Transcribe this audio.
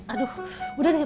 aduh udah deh